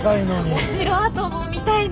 お城跡も見たいね。